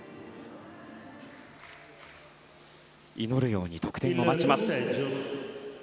祈るように得点を待ちます。